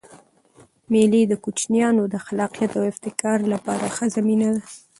مېلې د کوچنيانو د خلاقیت او ابتکار له پاره ښه زمینه ده.